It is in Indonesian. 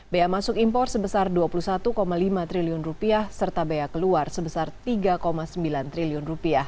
bea masuk impor sebesar rp dua puluh satu lima triliun serta bea keluar sebesar rp tiga sembilan triliun